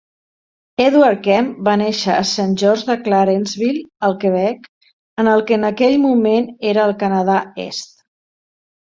Edward Kemp va néixer a Saint-Georges-de-Clarenceville, al Quebec, en el que en aquell moment era el Canadà Est.